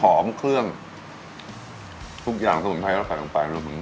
หอมเครื่องทุกอย่างสมมุติไทยแล้วใส่ลงไปหรือมึง